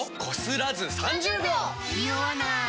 ニオわない！